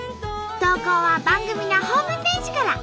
投稿は番組のホームページから。